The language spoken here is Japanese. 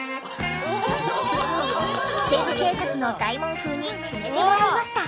『西部警察』の大門風に決めてもらいました。